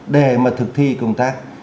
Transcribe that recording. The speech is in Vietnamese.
để mà thực thi công tác